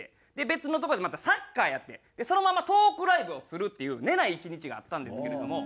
別の所でまたサッカーやってそのままトークライブをするっていう寝ない１日があったんですけれども。